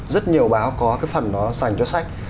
rất nhiều báo có cái phần đó dành cho sách